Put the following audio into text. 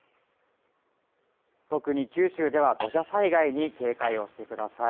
特に九州では土砂災害に警戒をしてください。